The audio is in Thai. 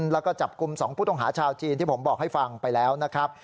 แล้วก็จับกลุ่ม๒ผู้ต้องหาชาวจีนที่ผมบอกให้ฟังไปแล้วนะครับ